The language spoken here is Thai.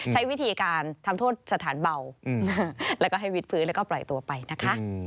ใช้วิธีการทำโทษสถานเบาแล้วก็ให้วิทพื้นแล้วก็ปล่อยตัวไปนะคะ